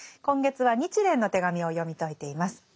今月は「日蓮の手紙」を読み解いています。